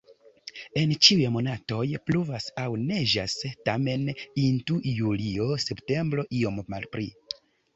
En ĉiuj monatoj pluvas aŭ neĝas, tamen int julio-septembro iom malpli.